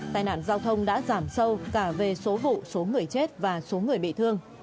tai nạn giao thông đã giảm sâu cả về số vụ số người chết và số người bị thương